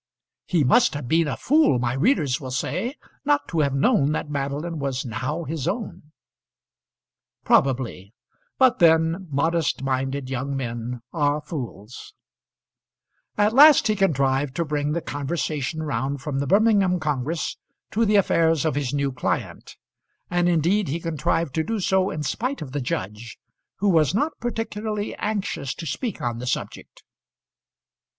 "He must have been a fool," my readers will say, "not to have known that Madeline was now his own." Probably. But then modest minded young men are fools. At last he contrived to bring the conversation round from the Birmingham congress to the affairs of his new client; and indeed he contrived to do so in spite of the judge, who was not particularly anxious to speak on the subject.